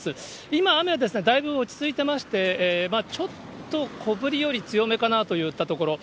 今、雨はだいぶ落ち着いてまして、まあちょっと小降りより強めかなといったところ。